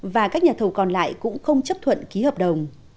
và các nhà thầu còn lại cũng không chấp thuận ký hợp đồng